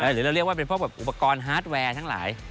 หรือเราเรียกว่าเป็นพวกอุปกรณ์ฮาร์ดแวร์ทั้งหลาย